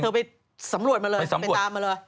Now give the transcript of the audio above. ไปสำรวจมาเลยไปตามมาเลย